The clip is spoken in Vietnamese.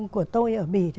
của tôi ở bỉ